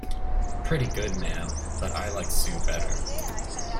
Pretty good, ma'am; but I like Sue better.